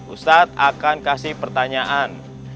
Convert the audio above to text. ustad akan kasih pertanyaan